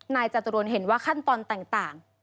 จตุรนเห็นว่าขั้นตอนต่าง